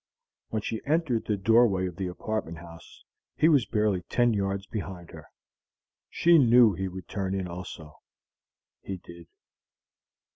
When she entered the doorway of the apartment house, he was barely ten yards behind her. She knew he would turn in also. He did.